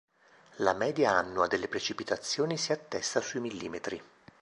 La media annua delle precipitazioni si attesta sui millimetri.